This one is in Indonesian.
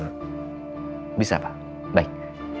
ada yang mau saya bicarakan soal itu